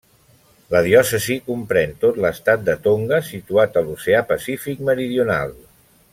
La diòcesi comprèn tot l'estat de Tonga, situat a l'oceà Pacífic meridional.